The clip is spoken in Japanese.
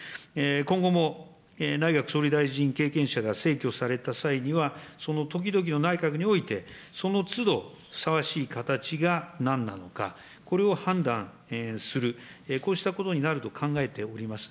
今後も内閣総理大臣経験者が逝去された際には、その時々の内閣において、そのつどふさわしい形がなんなのか、これを判断する、こうしたことになると考えております。